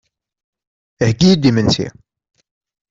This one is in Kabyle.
Heggi-iyi-d imensi.